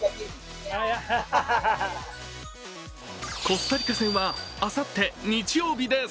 コスタリカ戦はあさって日曜日です。